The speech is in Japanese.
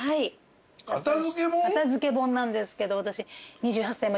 片付け本なんですけど私。